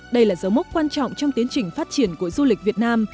đây là dấu mốc quan trọng trong tiến trình phát triển của du lịch việt nam